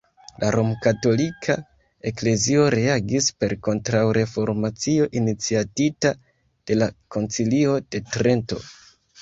La Romkatolika Eklezio reagis per Kontraŭreformacio iniciatita de la Koncilio de Trento.